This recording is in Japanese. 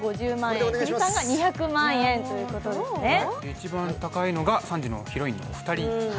一番高いのが３時のヒロインのお二人。